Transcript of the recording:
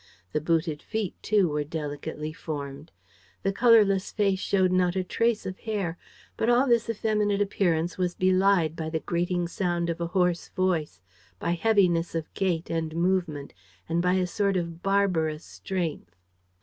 The booted feet, too, were delicately formed. The colorless face showed not a trace of hair. But all this effeminate appearance was belied by the grating sound of a hoarse voice, by heaviness of gait and movement and by a sort of barbarous strength.